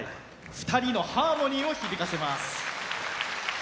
２人のハーモニーを響かせます。